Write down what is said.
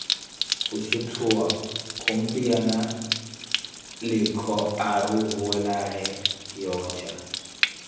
Khusuthuwa, khumpiyana na liikho aari wunttulelanaawe yooca.